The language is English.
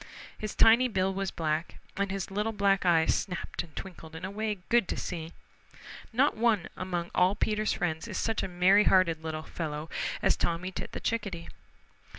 His tiny bill was black, and his little black eyes snapped and twinkled in a way good to see. Not one among all Peter's friends is such a merry hearted little fellow as Tommy Tit the Chickadee.